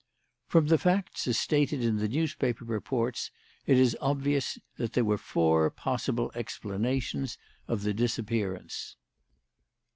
"From the facts as stated in the newspaper reports it is obvious that there were four possible explanations of the disappearance.